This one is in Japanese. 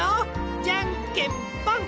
じゃんけんぽん！